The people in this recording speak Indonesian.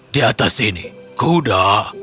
di atas sini kuda